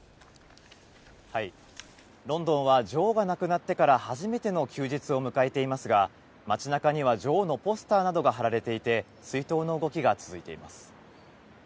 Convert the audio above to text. ロンドンは女王が亡くなってから初めての休日を迎えていますが、街なかには女王のポスターなどが貼られていて、追悼の動きが続いています。